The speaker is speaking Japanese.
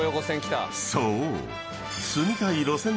［そう］